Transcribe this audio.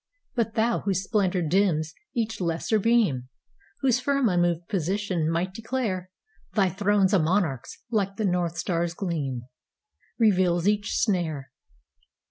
But thou, whose splendor dims each lesser beam, Whose firm, unmoved position might declareThy throne a monarch's—like the north star's gleam, Reveals each snare.